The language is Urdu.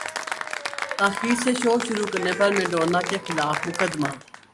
تاخیر سے شو شروع کرنے پر میڈونا کے خلاف مقدمہ